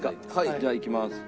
じゃあいきます。